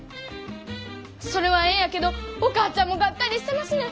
それはええんやけどお母ちゃんもがっかりしてますねん。